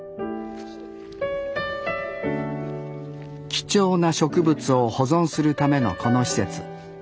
貴重な植物を保存するためのこの施設。